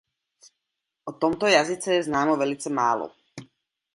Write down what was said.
O tomto jazyce je známo velice málo.